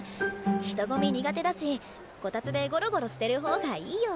人混み苦手だしこたつでごろごろしてる方がいいよ。